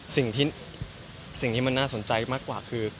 สิ่งที่มันน่าสนใจมากกว่าคือ